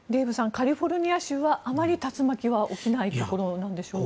カリフォルニア州はあまり竜巻は起きないところなんでしょうか？